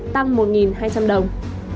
tăng một hai trăm linh đồng